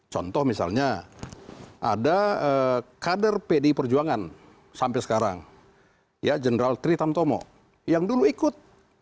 contoh misalnya ada kader pdi perjuangan sampai sekarang ya jenderal tri tamtomo yang dulu ikut